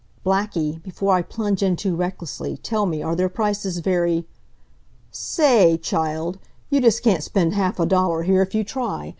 "Blackie, before I plunge in too recklessly, tell me, are their prices very " "Sa a ay, child, you just can't spend half a dollar here if you try.